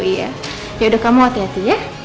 iya yaudah kamu hati hati ya